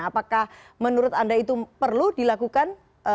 apakah menurut anda itu perlu dilakukan